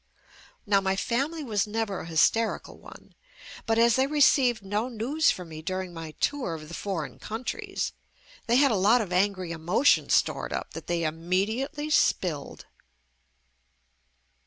Now my family was never a hysterical one, but as they had received no news from me during my tour of the foreign countries, they had a lot of angry emotions stored up that they immediately spilled.